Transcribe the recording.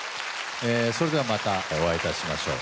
それではまたお会いいたしましょう。